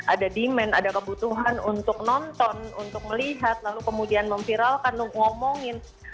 ada demand ada kebutuhan untuk nonton untuk melihat lalu kemudian memviralkan ngomongin